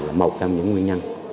là một trong những nguyên nhân